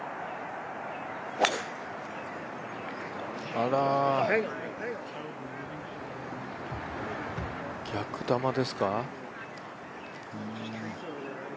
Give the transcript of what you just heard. あら、逆球ですか？